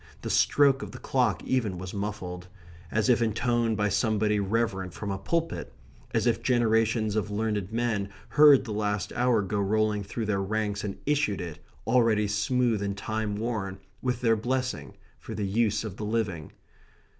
The stroke of the clock even was muffled; as if intoned by somebody reverent from a pulpit; as if generations of learned men heard the last hour go rolling through their ranks and issued it, already smooth and time worn, with their blessing, for the use of the living.